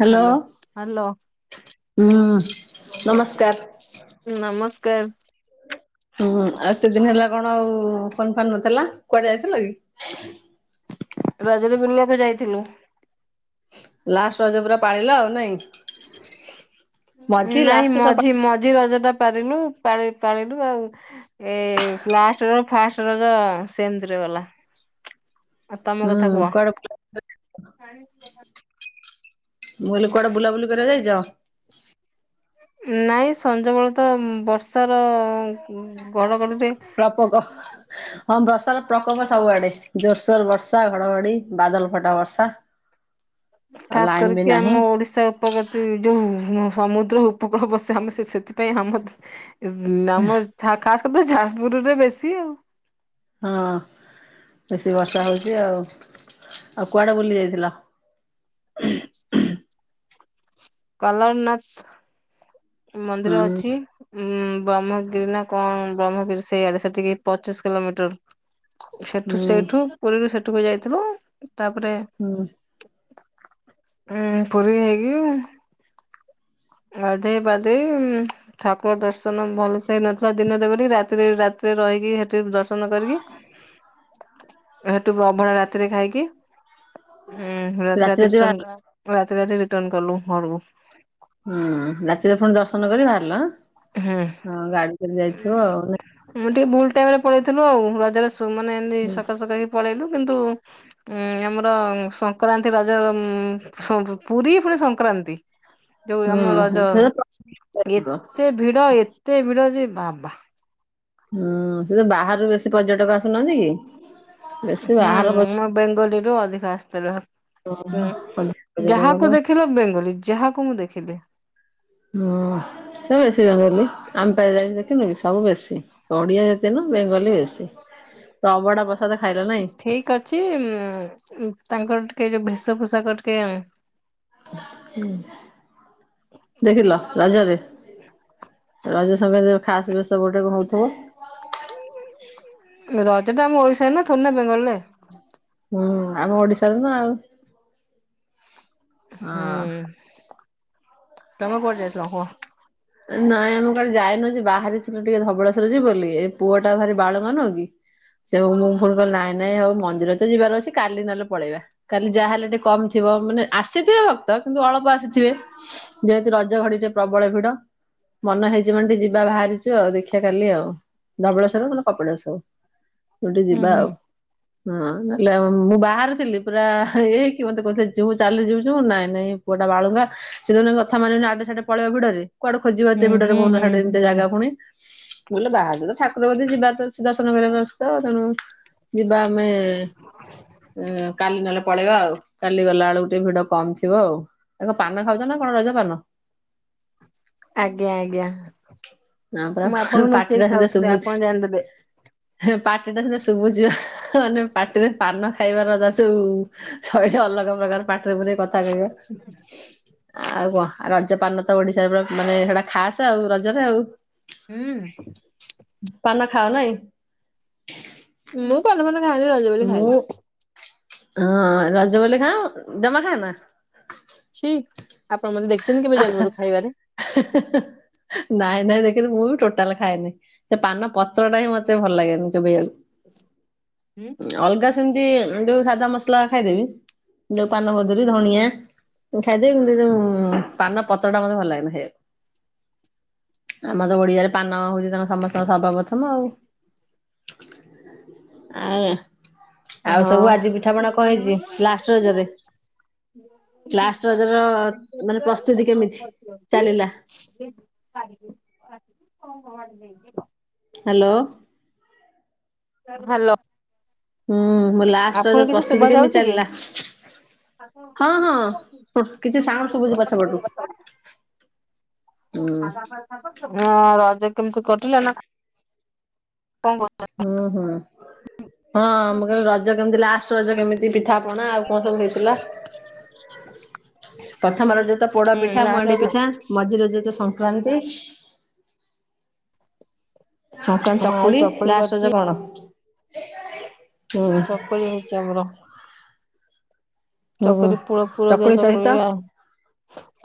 Hello. Hello hello. ହୁଁ ନମସ୍କାର୍। ନମସ୍କାର୍। ହୁଁ ଆଉ ଏତେ ଦିନ ହେଲା କଣ ଆଉ ଫୋନ୍ ଫାନ୍ ନଥିଲା କୁଆଡ଼େ ଯାଇଥିଲ କି। ରଜରେ ବୁଲିଆକୁ ଯାଇଥିଲୁ। ଲାଷ୍ଟ୍ ରଜ ପୁରା ପାଳିଲ ଆଉ ନାଇଁ। ମଝି ନାଇଁ ଲାଷ୍ଟ ସବୁ ମଝି ମଝି ରଜ ଟା ପାରିଲୁ ପା-ପାଳିଲୁ ଆଉ। ଏ ଲାଷ୍ଟ ର ଫାଷ୍ଟ ରଜ ସେମ୍ ତିରେ ଗଲା। ଆଉ ତମ ହୁଁ କଥା କୁହ କଆଡ଼େ [unintelligible] ମୁଁ କହିଲି କୁଆଡ଼େ ବୁଲାବୁଲି କରିବାକୁ ଯାଇଛ। ନାଇଁ ସଞ୍ଜ ବେଳେତ ବର୍ଷାର ଗଡ଼ଗଡ଼ିରେ ପଗ ହଁ ବର୍ଷା ର ପ୍ରକୋପ ସବୁଆଡେ ଜୋର୍ ସୋର୍ ବର୍ଷା ଘଡ଼ଘଡି଼ ବାଦଲ ଫଟା ବର୍ଷା। ଆଉ ଖାସ ଲାଇନ ବି କରିକି ନାହିଁ ଆମ ଓଡିଶା ଉପଗତି ଯୋଉ ସମୁଦ୍ର ଉପକୂଳ ବସେ ଆମେ ସେ ସେଥିପାଇଁ ଆମ ଥି ନାମ ଛା ଖାସ୍ ତ ଯାଜପୁର ରେ ବେଶୀ ଆଉ। ହଁ ବେଶୀ ବର୍ଷା ହଉଛି ଆଉ ଆଉ କୁଆଡ଼େ ବୁଲି ଯାଇଥିଲ। କଲାରନାଥ୍ ହୁଁ ମନ୍ଦିର ଅଛି। ଉଁ ବ୍ରହ୍ମଗିରି ନା କଣ ବ୍ରହ୍ମଗିରି ସେଇଆଡେ ସେଟିକି ପଚିଶି କିଲୋମିଟର। ହୁଁ ସେଠୁ ସେଇଠୁ ପୁରୀରୁ ସେଠୁକୁ ଯାଇଥିଲୁ ତାପରେ ହୁଁ ଉଁ ପୁରୀ ହେଇକି। ଗାଧେଇ ପାଧେଇ ଉଁ ଠାକୁର ଦର୍ଶନ ଭଲସେ ହେଇନଥିଲା ଦିନରେ ବୋଲି ରାତି ରାତିରେ ରହିକି ସେଠି ଦର୍ଶନ କରିକି ହ ହେଠୁ ଅଭଡ଼ା ରାତିରେ ଖାଇକି ହୁଁ ରାତି ରାତି ରିଟ ରାତି ରାତି ରିଟନ କଲୁ ଘରକୁ ହୁଁ ରାତିରେ ପୁଣି ଦର୍ଶନ କରିି ବାହାରିଲ ଆଁ ହୁଁ। ହଁ ଗାଡ଼ି ମୁଁ ଟିକେ ଭୁଲ୍ ଟାଇମରେ ପଳେଇଥିଲୁ ଆଉ ରଜରେ ମାନେ ଏମିତି ସକାଳେ ସକାଳେ ପଳେଇଲୁ କିନ୍ତୁ ଉଁ ଆମର ସଂକ୍ରାନ୍ତି ରଜ ପୁରୀ ପୁଣି ସଂକ୍ରାନ୍ତି। ଯୋଉ ହୁଁ ଆମ ହୁଁ ରଜ ସେ ତ ଥିବ। ଏତେ ଭିଡ଼ ଏତେ ଭିଡଯେ ବାବା ହୁଁ ସେତ ବାହାରାରୁ ବେଶୀ ପର୍ଯ୍ୟଟକ ଆସୁନାହାନ୍ତିକି ହୁଁ ମ ବେଙ୍ଗଲୀରୁ ଅଧିକା ଆସିଥିଲେ। ହଁ ଯାହାକୁ ପର୍ଯ୍ୟଟକ ଦେଖିଲ ବେଙ୍ଗଲୀ ଯାହାକୁ ମୁଁ ଦେଖିଲି ହୁ ସେ ବେଶୀ ବେଙ୍ଗଲି ଆମେପା ଯାଇନଥିନୁକି ସବୁ ବେଶୀ ଓଡିଆ ଜାତି ନା ବେଙ୍ଗଲୀ ବେଶୀ ଅବଢ଼ା ପ୍ରସାଦ ଖାଇଲା ନାଇଁ ଠିକ ଅଛି ତାଙ୍କର ଟିକେ ଯେଉଁ ଭେଷଭୋଷାକ ଟିକେ ଉଁ ଦେଖିଲ ରଜରେ ରଜ ସଂକ୍ରାନ୍ତିର ଖାସ ବେଶ ଗୋଟେ କଣ ହେଉଥିବ। ରଜଟା ଆମ ଓଡିଶାରେ ନା ଥୋଡି଼ନା ବେଙ୍ଗଲିରେ ହୁଁ ଆମ ଓଡିଶାରୁନା ଆଉ ହୁଁ ହଁ। ତମେ କୁଆଡେ ଯାଇଥିଲ କୁହ? ନାଇଁ ଆମେ କୁଆଡେ ଯାଇନୁ ଯେ ବାହାରିଥିଲୁ ଟିକେ ଧବଳେସ୍ବର ଯିବୁବୋଲି ପୁଅଟା ଭାରି ବାଳୁଙ୍ଗା ନୁହଁକି ସେ ମୁଁ ଫୁଣି କହିଲି ନାଇଁ ନାଇଁ ହଉ ମନ୍ଦିର ତ ଯିବାର ଅଛି କାଲି ନହେଲେ ପଳେଇବା। କାଲି ଯାହାହଲେ ଟିକେ କମ ଥିବ ମାନେ ଆସିଥିବେ ଭକ୍ତ କିନ୍ତୁ ଅଳ୍ପ ଆସିଥିବେ। ଯେହେତୁ ରଜ ଘଡିରେ ପ୍ରବଳ ଭିଡ। ମନେ ହେଇଛି ମାନେ ଟିକେ ଯିବା ବାହାରିଛୁ ଆଉ ଦେଖିବା କାଲି ଆଉ। ଧବଳେସ୍ବର ନହଲେ କପିଳାସ ହଉ ଯୋଠି ହୁଁ ଯିବା ହୁଁ। ଆଉ। ହଁ ନହେଲେ ମୁଁ ବାହାରେ ପୁରା ଇ ହେଇକି ମତେ କହୁଥିଲେ ଯିବୁ ଚାଲି ଯିବୁ ନାଇଁ ନାଇଁ। ପୁଅଟା ବାଳୁଙ୍ଗା ସେ ଯୋଉଦିନ କ ସାମାନ୍ୟ ଆଡେ ସାଆଡେ ପଳେଇବ ଭିଡରେ କୁଆଡେ ଖୋଜିବ ଏତେ ହୁଁ ଭିଡରେ ହୁଁ ହୁଁ କହୁନ ହାଡ଼େ ଏନ୍ତିଆ ହୁଁ ଜାଗା ପୁଣି ମୁଁ ବୋଲେ ବାହାରିତ ଠାକୁର କତିକି ଯିବାର ଅଛି ଦର୍ଶନ କରିବା ଅଛିତ ତେଣୁ ଯିବା ଆମେ ଏ କାଲି ନହେଲେ ପ ପଳେଇବା ଆଉ କାଲି ଗଲାବେଳକୁ ଟିକେ ଭିଡ କମଥିବ ଆଉ ଏ କଣ ପାନ ଖାଉଛନା କଣ ରଜପାନ ଆଜ୍ଞା ଆଜ୍ଞା ନା ପରା ମୁଁ ଆପଣଙ୍କୁ ପାଟିଟା ଲୁଚେଇକି ଖାଉଥିଲି ଆପଣ ଜାଣିଦେଲେ। ହେ ପାଟିଟା ସିନା ଶୁଭୁଝି ମାନେ ପାଟିରେ ପାନ ଖାଇବାର ଯା ସୁବୁ ଶୈଳି ଅଲଗା ପ୍ରକାର ପାଟିରେ ପୁରେକି କଥା କହିବା। ଆଉ କଣ ରଜପାନତ ଓଡିଶାରେ ମାନେ ସେଇଟା ଖାସ ଆଉ ରଜରେ ଆଉ ହୁଁ। ପାନ ଖାଅ ନାଇଁ। ମୁଁ ପାନ ଫାନ ଖାଏନି ରଜ ବୋଲି ମୁଁ ଖାଏନି। ହଁ ରଜବୋଲି ଖାଅ ଜମା ଖାଅନା। ଛି ଆପଣମାନେ ଦେଖିଛନ୍ତି କେବେ ଜନ୍ମରୁ ଖାଇବାରେ? ହେ, ହେ, ହେ ନାଇଁ ନାଇଁ ଦେଖିନି ମୁଁବି ଟୋଟାଲ ଖାଏନି ସେ ପାନ ପତ୍ରଟା ହିଁ ମତେ ଭଲ ଲାଗେନି ଚୋବେଇଆକୁ ହୁଁ। ଅଲଗା ସେମିତି ଯୋଉ ସାଧାମସଲା ଖାଇଦେବି ଯୋଉ ପାନମଧୁରୀ ଧଣିଆ ଖାଇଦେବି କିନ୍ତୁ ଯୋଉ ହୁଁ ପାନ ପତ୍ରଟା ମତେ ଭଲ ଲାଗେନି ଖାଇବାକୁ ଆମର ଓଡିଆର ପାନ ହ ସମସ୍ତଙ୍କ ସର୍ବ ପ୍ରଥମ ଆଉ ଆ ଆଉ ସବୁ ହଁ। ଆଜି ପିଠାପଣା କଣହେଇଛି ଲାଷ୍ଟ ରଜରେ? ଲାଷ୍ଟ ରଜର ମାନେ [unintelligible] ପ୍ରସ୍ତୁତି କେମିତି ଚାଲିଲା? ହୁଁ। [unintelligible] ହାଲୋ। ହାଲୋ ହୁଁ ମୋ ଲାଷ୍ଟ୍ ର ଆପଣଙ୍କୁ ଯଦି କିଛି ଶୁଭା ପ୍ରସ୍ତୁତି କେମିତି ଯାଉଛି କି? ଚାଲିଲା? ହଁ ହଁ କିଛି ସାଉଣ୍ଡ ଶୁଭୁଛି ପଛପଟୁ ହୁଁ [unintelligible] [unintelligible] ହଁ ରଜ କେମିତି କଟିଲା, ନା କଣ କରୁଚ? ହୁଁ ହୁଁ ହଁ ମୁଁ କହିଲି ରଜ କେମିତି ଲାଷ୍ଟ୍ ରଜ କେମିତି ପିଠାପଣା ନା ଆଉ କଣ ସବୁ ହେଇଥିଲା? ପ୍ରଥମ ରଜ ତ ପୋଡ ପିଠା ମୁହାଣ୍ଡି କର? ପିଠା ମଝି ରଜ ତ ସଂକ୍ରାନ୍ତି। ସଂକ୍ରାନ୍ତି ଆମ ଆଇ ଚକୁଳି ଲାଷ୍ଟ୍ କରିଛି ରଜ କଣ? ହୁଁ ଚକୁଳି ହେଇଚି ଆମର। ହୁଁ ଚକୁରି ପୁର ପୁରଦିଆ ଚକୁଳି ଆ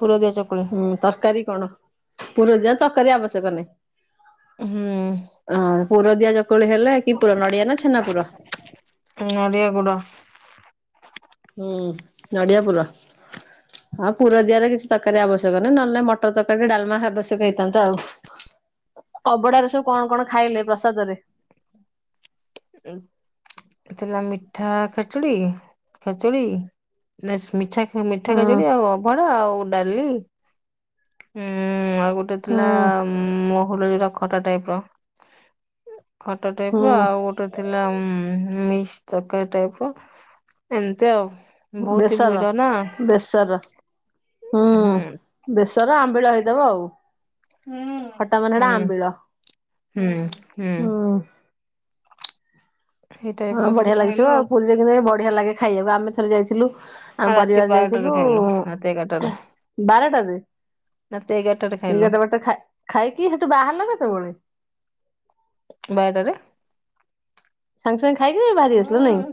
ପୁରଦିଆ ଚକୁଳି। ହୁଁ ତରକାରି। କଣ, ପୂର ଦିଆରେ ତର୍କାରି ଆବଶ୍ୟକ ନାହିଁ। ହୁଁ। ହଁ ପୁରରଦିଆ ଚକୁଳି ହେଲେ, କି ପୁର ନଡିଆ ନା ଛେନା ପୁର। ନଡ଼ିଆ ଗୁଡ। ହୁଁ ନଡ଼ିଆ ପୁର। ହଁ ପୁର ଦିଆରେ କିଛି ତରକାରୀ ଆବଶ୍ୟକ ନାହିଁ। ନହେଲେ ମଟର ତର୍କାରି ଡାଲମା ଆବଶ୍ୟକ ହେଇଥାନ୍ତା ଆଉ। ଅଭଡାରେ ସବୁ କଣ କଣ ଖାଇଲେ ପ୍ରସାଦ ରେ? ଉଁ ଏ ଥିଲା ମିଠା ଖେଚୁଡି ଖେଚୁଡି ମିଠା ମେସ୍ ମିଠା ମିଠା ହୁଁ ଖେଚୁଡି ଆଉ ଅଭାଡ ଆଉ ଡାଲି। ହୁଁ ଆଉ ଗୋଟେ ଥିଲା ହୁଁ ମହୁଲ ଯୋଟା ଖଟା ଟାଇର। ଖଟାଟାଇପ୍ ହୁଁ ର ଆଉ ଗୋଟେ ଥିଲା ଉଁ ମିକ୍ସ୍ ତର୍କାରି ଟାଇପ୍ ର ଏମିତି ଆଉ। ବହୁତ ଭିଡ ବେସର ନା ବେସର ହୁଁ। ବେସର ଆମ୍ବିଳ ହେଇଥିବ ଆଉ ଖଟା ମାନେ ହୁଁ ଟା ଆମ୍ବିଳ। ହୁଁ ହୁଁ। ଏଇ ଟାଇପ ହଁ ର ସବୁ ବଢିଆ ଖାଇଲୁ ଲାଗିଥିବ ଆଉ ପୁରୀରେ କି ବଢିଆ ଲାଗେ ଖାଇବାକୁ ଆମେ ଥରେ ଯାଇଥିଲୁ। ଆମ ଆଉ ରାତି ପରିବାର ବାରଟାରେ ଯାଇଥିଲୁ, ଖାଇଲୁ ରାତି ଏଗାରଟାରେ ଖୁଁ ବାରେଟାରେ। ରାତି ଏଗାର୍ ଟାରେ ଏଗାର୍ ବାରଟା ଖା ଖାଇକି ସେଠୁ ବାହାରିଲ କେତେ ବେଳେ? ବାରଟାରେ। ସାଙ୍ଗେ ସାଙ୍ଗେ ଖାଇକିରି ବାହାରି ଆସିଲ ନାଇଁ।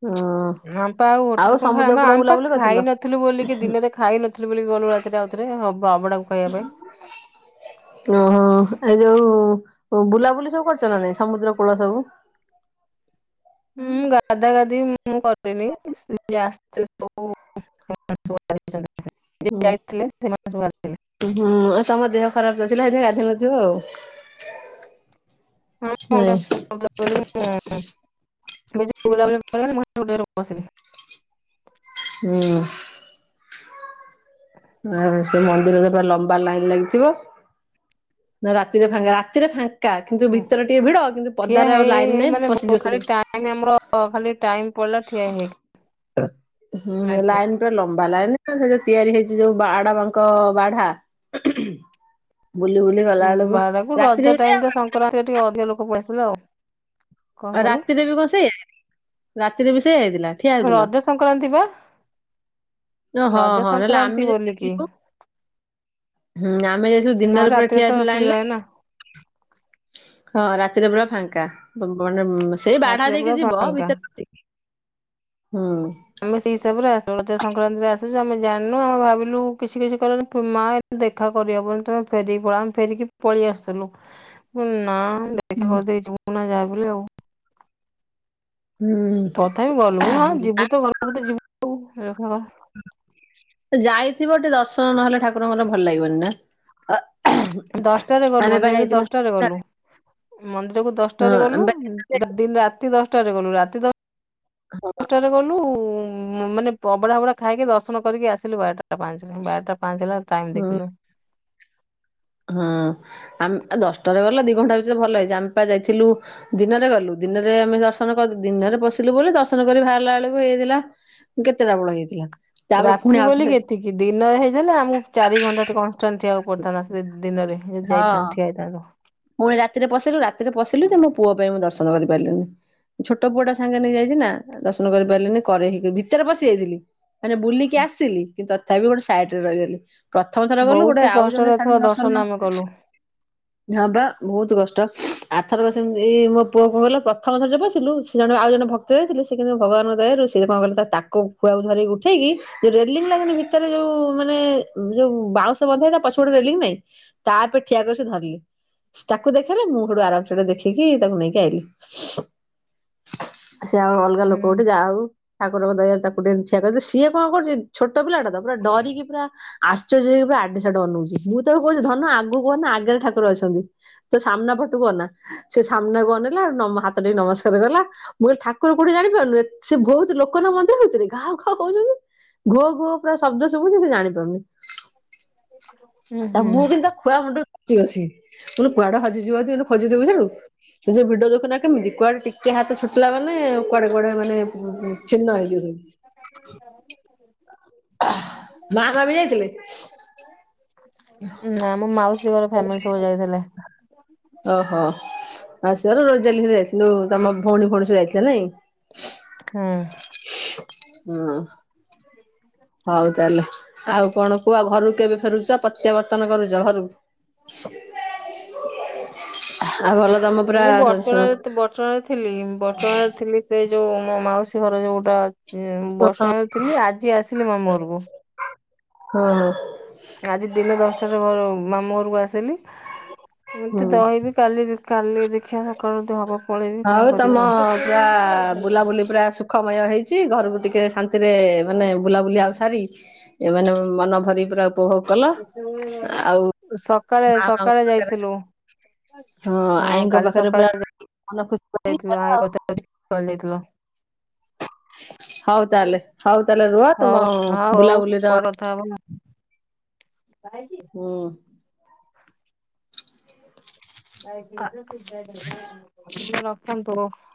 ହଁ ଅମ୍ପା ଆଉ ଗୋଟେ ଲୋକ ସମୁଦ୍ର ଆମ୍ କୂଳ ଆମେ ବୁଲାବୁଲି କରିଥିଲ? ଖାଇନଥିଲୁ ବୋଲିକି ଦିନରେ ଖାଇନଥିଲୁ ବୋଲି ଗଲୁ ଆଉଥରେ ଆଉଥରେ ହବ୍ ଅଭଡାକୁ ଖୋୟାପାଇଁ। ଉଁ ହୁଁ ଏ ଯୋଉ ବୁଲାବୁଲି ସବୁ କରିଚ ନା ନାଇଁ ସମୁଦ୍ର କୂଳ ସବୁ? ମୁଁ ଗାଧା ଗାଧି ମୁଁ କଦିନି ସିଏ ଆସିଥିଲେ ସ ଯିଏ ହୁଁ ଯାଇଥିଲେ ସେ ମାନେ ସ ଆଣି ହୁଁ ଆଉ ତମ ଦେହ ଖରାପ୍ ତ ଥିଲା ସେଇଥି ପାଇଁ ଗାଧେଇ ନଥିବ ଆଉ। ନାଇଁ [unintelligible] ହୁଁ। ଆଉ ସେ ମନ୍ଦିର ରେ ବା ଲମ୍ବା ଲାଇନ୍ ଲାଗିଥିବ। ନା ରାତିରେ ଫାଙ୍କା ରାତିରେ ଫାଙ୍କ୍ ହୁଁ ଠିଆ ହେଇ ହେଇ ଲାଇନ ନାହିଁ ହେଇ ମାନେ ପଶିଯିବ ବହୁ ଶୀଘ୍ର। ଟାଇମ୍ ଆମର ଖାଲି ଟାଇମ୍ ପଲା ଠିଆ ହେଇକ୍ ଖ୍ ଲାଇନ୍ ପୁରା ଲମ୍ବା ଲାଇନ୍ ସେ ଯୋଉ ତିଆରି ହେଇ ଯୋଉ ବାଡ୍ ବାଙ୍କ ବାଢା ବୁଲି ବୁଲି ଗଲା ବେଳକୁ ବାହାରକୁ ରଜ ରାତିରେ ବି ଟାଇମ ସେ ଟା ଟିକେ ଅଧିକ ଲୋକ ପଲେଇ ଆସିଲେ ଆଉ। କଣ ଆଉ କହିଲେ? ରାତିରେ ବି କଣ ସେଇଇ ରାତିରେ ବି ସେଇଆ ହେଇଥିଲା ଠିଆ ହେଇଥିଲା। ରଜ ସଂକ୍ରାନ୍ତି ବା। ଓ ହଁ ରଜ ହଁ ନହେଲେ ସଂକ୍ରାନ୍ତି ଆମେ ଯଦି ବୋଲିକି ଆଥିବୁ ହୁଁ ଆମେ ଦିନରେ ନହେଲେ ପୁରା ରାତିରେ ଠିଆ ତ ଆସିଲୁ ଫ୍ରି ଆଣିଲେ। ରହେ ନା ହଁ ରାତିରେ ପୁରା ଫାଙ୍କା ମାନେ ସେଇ ବାଢା ରାତିରେ ଦେଇକି ପୁରା ଯିବ ଫାଙ୍କା। ଭିତରେ ସେତିକି ହୁଁ। ଆମେ ସେଇ ହିସାବରେ ଆସିଥିଲୁ ରଜ ସଂକ୍ରାନ୍ତିରେ ଆସୁ ଆମେ ଜାଣିନୁ ଆମେ ଭାବିଲୁ କିଛି କିଛି କରନୁ ମା ଦେଖା କରିହବନି ତମେ ଫେରିକି ପଳା ଆମେ ଫେରିକି ପଳେଇ ଆସିଥିଲୁ ନା ଦେଖା ହୁଁ କରିଦେଇଛୁ ଯାହା ବି ହେଲେ ହଉ। ହୁଁ ତଥାପି ଗଲୁ ହଁ ଯିବୁ ଆ ତ ଘରକୁ ତ ଯିବୁ ଆଉ ଯାଇଥିବ ଟିକେ ଦର୍ଶନ ନହଲେ ଠାକୁରଙ୍କର ଭଲ ଲାଗିବନି ନା। ଦଶଟାରେ ଗଲୁ ଆମେ ମ ପା ଏ ଯାଇଥିଲୁ ଦଶଟାରେ ଗଲୁ। ମନ୍ଦିରକୁୁ ହଁ ଦଶଟାରେ ଆମେ ଗଲୁ। ପା ଦ ରାତି ଦଶଟାରେ ଗଲୁ ରାତି ଦଶ ହଁ। ଗଲୁ ମାନେ ଅବଢା ବଢା ଖାଇକି ଦର୍ଶନ କରିକି ଆସିଲୁ ବାରଟା। ଟା ପାଞ୍ଚ ବାରଟା ପାଞ୍ଚ ହେଲା ଟାଇମ ହୁଁ ଦେଖିଲୁ। ହଁ ଆମେ ଦଶଟାରେ ଗଲା ଦି ଘଣ୍ଟା ଭିତରେ ଭଲ ହେଇଛି ଆମେ ପା ଯାଇଥିଲୁ। ଦିନରେ ଗଲୁ ଦିନରେ ଆମେ ଦର୍ଶନ ଦିନରେ ପଶିଲୁ ବୋଲି ଦର୍ଶନ କରି ବାହାରିଲା ବେଳକୁ ହେଇଥିଲା। କେତେଟା ବେଳ ହେଇଥିଲା। ତାପରେ ପୁଣି ରାତି ବୋଲି ଆଉଥରେ ଏତିକି ଦିନ ହେଇଥିଲେ ଆମକୁ ଚାରି ଘଣ୍ଟା ଟେ କଣ। ଅ ଠିଆ ହବାକୁ ପଡିଥାନ୍ତା ସେ ଦିନରେ ହଁ। ଯାଇଥାନ୍ତୁ ଠିଆ ହୋଇଥାନ୍ତୁ। ପୁଣି ରାତିରେ ପଶିଲୁ ରାତିରେ ପଶିଲୁ ତ ମୋ ପୁଅ ପାଇଁ ମୁଁ ଦର୍ଶନ କରିପାରିଲିନି। ଛୋଟ ପୁଅ ଟା ସାଙ୍ଗରେ ନେଇ ଯାଇଛି ନା ଦର୍ଶନ କରିପାରିଲିନି କରେଇକି ଭିତରେ ପଶି ଯାଇଥିଲି। ମାନେ ବୁଲିକି ଆସିଲି କିନ୍ତୁ ତଥାପି ଗୋଟେ ସାଇଟରେ ରହିଗଲି। ପ୍ରଥମ ଥର ଗଲୁ ଗୋଟେ ବହୁତ ଆଉ ଜଣେ କଷ୍ଟରେ ଏଥର ସାମ୍ନା କୁ ଦର୍ଶନ ସାମ୍ନା। ଆମେ କଲୁ। ହବା ବହୁତ କଷ୍ଟ ଆଥର କ ଏମିତି ମୋ ପୁଅ କଣ କଲେ ପ୍ରଥମ ଥର ପସିଲୁ ସେ ଜଣେ ଆଉ ଜଣେ ଭକ୍ତ। ତ ଥିଲେ ସେ କିନ୍ତୁ ଭଗବାନଙ୍କୁ ଦୟାରୁ ସିଏ କଣ କଲେ ତାକୁ ପୁଅକୁ ଧରିକି ଉଠେଇକି। ଯୋଉ ରେଲିଂ ଲାଇନ୍ ଭିତରେ ଯୋଉ ମାନେ ଯୋଉ ବାଉଁଶ ବନ୍ଧେଇ ପଛ ପଟେ ରେଲଂ ନାଇଁ। ତାପରେ ଠିଆ କରି ସେ ଧରିଲି। ତାକୁ ଦେଖେଇଲେ ମୁଁ ସେଠୁ ଆରାମ ସେ ଦେଖିକି ତାକୁ ନେଇକି ଆଇଲିି। ସେ ଆମ ଅଲଗା ଲୋକ ଗୋଟେ ଯାହା ହଉ। ଠାକୁରଙ୍କ ଦୟାରୁ ତାକୁ ଟିକେ ଠିଆ କରିଦେଲି ସିଏ କଣ କରୁଛି ଛୋଟ ପିଲା ତ ପୁରା ଡରିକି ପୁରା ଆଶ୍ଚର୍ଯ୍ୟ ହେଇକି ପୁରା ଆଡେ ସେୟାଡେ ଅନଉଛି ମୁଁ ତାକୁ କହୁଛି ଧନ ଆଗକୁ ଅନା ଆଗରେ ଠାକୁର। ଠାକୁର ଅଛନ୍ତି ତ ସାମ୍ନା ପଟୁକୁ ଅନା ସେ ସାମ୍ନାକୁ ଅନେଇଲା ଆଉ ହାତ ଟେକି ନମସ୍କାର କଲା। ମୁଁ କହିଲି ଠାକୁର କୋଉଠି ଜାଣିପାରିଲୁ ସେ ବହୁତ ଲୋକଙ୍କ ମନ୍ଦିର ଭିତରେ କାହା କାହା କହୁଛନ୍ତି। ଘୋ ଘୋ ପୁରା ଶବ୍ଦ ଶୁଭୁନି ସେ ଜାଣି ପାରୁନି। ଉୁଁ ହୁଁ ତମକୁ ବି ତ ପୁରା ଭାବରେ ବୁଝି ଗଲିଣି କେ କୁଆଡେ ହଜିଯିବେ ଖୋଜୁଥିବୁ ତାକୁ ଯ ଭିଡ ଦେଖୁନା କେମିତି କୁଆଡେ ଟିକେ ହାତ ଛୁଟିଲା ମାନେ କୁଆଡେ କୁଆଡେ ମାନେ ଛିନ୍ନ ହେଇଯିବ ସବୁ। ମା ବାପା ବି ଯାଇଥିଲେ। ନା ମୋ ମାଉସୀ ଘର ଫ୍ୟାମିଲି ସବୁ ଯାଇଥିଲେ। ଓହୋ ମାଉସୀ ଘରୁ ଯାଇଥିଲୁ ତମ ଭଉଣୀ ଭଉଣୀ ସବୁ ଯାଇଥିଲା ନେଇଁ। ହଁ। ହୁଁ। ହୁଁ। ହଉ ତାହେଲେ ଆଉ କଣ କୁହ ଆଉ ଘରକୁ କେବେ ଫେରୁଛ ପ୍ରତ୍ୟାବର୍ତ୍ତନ କରୁଛ ଘରକୁ। ଆଉ ଭଲ ତମ। ପୁରା ମୁଁ ବଟଚଣାରେ ହଁ ବଚଣା ରେ ଥିଲି ବଚଣା ରେ ଥିଲି ସେ ଯୋଉ ମୋ ମାଉସୀ ଘର ଯୋଉଟା। ସେ ବର୍ଷମାନରେ ଥିଲି ଆଜି ଆସିଲି ମାମୁଁ ଘରକୁ ହଁ ହଁ ଆଜି ଦିନ ଦଶଟାରେ ଘର ମାମୁ ଘରକୁ ଆସିଲି ମୋତେ ହଁ ଦହିବି କାଲି କାଲି ଦେଖିବା ସକାଳୁ ହେବ ହଉ ତମ ପୁରା ବୁଲାବୁଲି ପୁରା ସୁଖମୟ ହେଇଛି ଘରକୁ ଟିକେ ଶାନ୍ତିରେ ମାନେ ବୁଲାବୁଲି ଆଉ ସାରି ଏମାନେ ମନ ଭରି ପୁରା ଉପଭୋଗ କଲ ଆଉ ସକାଳେ ମା ସକାଳେ ପାଖରେ ଯାଇଥିଲୁ ହଁ ଆଈଙ୍କ କାଲି ପାଖରେ ସକାଳେ ପୁରା ମନ ଖୁସି କରିଦେଇଥିବ ଆଉ [unintelligible] ଥିଲ ହଉ ତାହେଲେ ହଉ ତାହେଲେ ରୁହ ହଉ ତୁମ ହଉ ହଉ ବୁଲାବୁଲିର [unintelligible] କହିଁକି ହୁଁ [unintelligible]